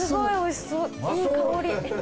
いい香り。